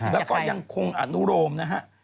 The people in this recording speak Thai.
แล้วก็ยังคงอนุโรมนะฮะ